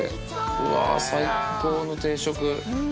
うわー、最高の定食。